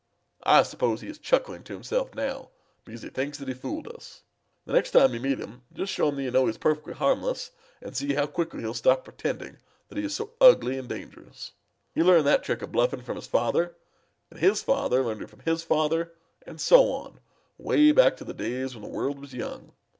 I suppose he is chuckling to himself now because he thinks that he fooled us. The next time you meet him just show him that you know he is perfectly harmless and see how quickly he'll stop pretending that he is so ugly and dangerous. He learned that trick of bluffing from his father, and his father learned it from his father, and so on way back to the days when the world was young.